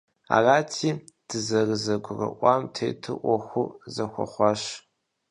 Арати, дызэрызэгурыӀуам тету Ӏуэхур зэхуэхъуащ.